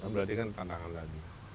berarti kan tantangan lagi